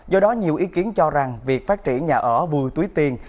do đó nhiều ý kiến cho rằng việc phát triển nhà ở vừa túi tiền